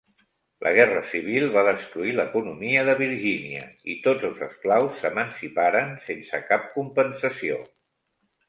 La guerra civil va destruir l'economia de Virgínia i tots els esclaus s'emanciparen sense cap compensació.